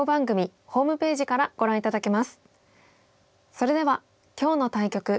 それでは今日の対局